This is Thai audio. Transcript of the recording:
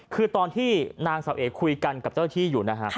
คือตอนที่นางเสาเอคุยกันกับเจ้าที่อยู่นะฮะ